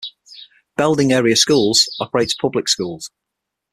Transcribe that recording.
Belding Area Schools operates public schools.